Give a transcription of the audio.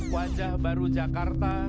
wajah baru jakarta